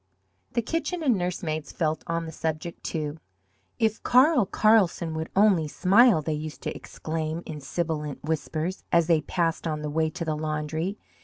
The kitchen and nurse maids felt on the subject, too. "If Carl Carlsen would only smile," they used to exclaim in sibilant whispers, as they passed on the way to the laundry.